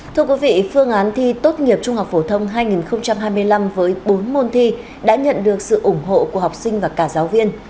thưa quý vị phương án thi tốt nghiệp trung học phổ thông hai nghìn hai mươi năm với bốn môn thi đã nhận được sự ủng hộ của học sinh và cả giáo viên